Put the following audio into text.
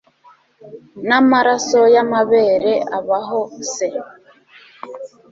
namaraso yamabere abaho se